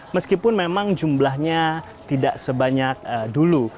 meskipun memang jumlahnya tidak sebanyak dulu